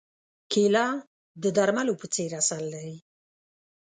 کېله د درملو په څېر اثر لري.